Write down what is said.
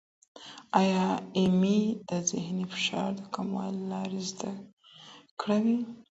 ایا ایمي د ذهني فشار د کمولو لارې زده کړې وې؟